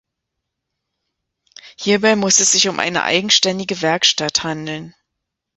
Hierbei muss es sich um eine eigenständige Werkstatt handeln.